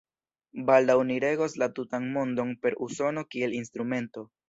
Baldaŭ ni regos la tutan Mondon per Usono kiel instrumento.